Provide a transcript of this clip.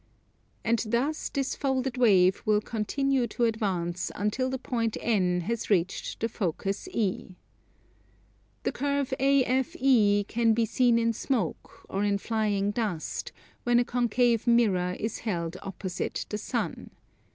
And thus this folded wave will continue to advance until the point N has reached the focus E. The curve AFE can be seen in smoke, or in flying dust, when a concave mirror is held opposite the sun.